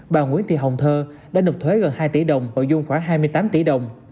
bà nguyễn thị hồng thơ đã nộp thuế gần hai tỷ đồng nội dung khoảng hai mươi tám tỷ đồng